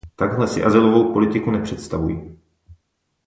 Takhle si azylovou politiku nepředstavuji.